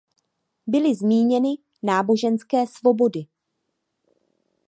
Byly zmíněny náboženské svobody.